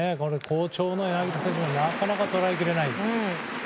好調の柳田選手もなかなか捉えきれない。